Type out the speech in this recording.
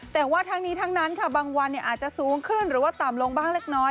แต่ว่าทั้งนี้ทั้งนั้นค่ะบางวันอาจจะสูงขึ้นหรือว่าต่ำลงบ้างเล็กน้อย